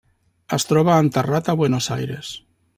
Es troba enterrat a Buenos Aires.